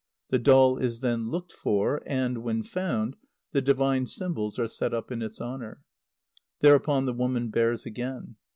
The doll is then looked for; and, when found, the divine symbols are set up in its honour. Thereupon the woman bears again.